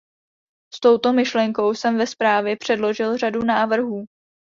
S touto myšlenkou jsem ve zprávě předložil řadu návrhů.